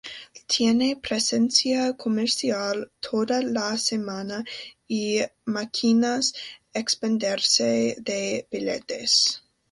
Tiene presencia comercial toda la semana, y maquinas expendedoras de billetes.